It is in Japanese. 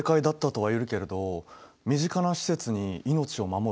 はい。